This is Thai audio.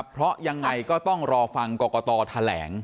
เพราะยังไงก็ต้องรอฟังกรกตแถลง